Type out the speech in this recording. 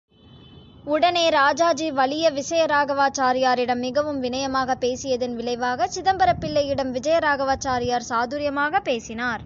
உடனே ராஜாஜி வலிய விசயராகவாச்சாரியாரிடம் மிகவும் விநயமாகப் பேசியதன் விளைவாக, சிதம்பரம் பிள்ளையிடம் விஜயராகவாச்சாரியார் சாதுர்யமாகப் பேசினார்.